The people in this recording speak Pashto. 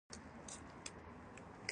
مرکزي بانک ډالر پمپ کوي.